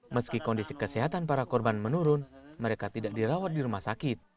meski kondisi kesehatan para korban menurun mereka tidak dirawat di rumah sakit